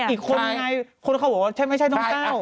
อีกคนไงคนเขาบอกว่าฉันไม่ใช่น้องแต้ว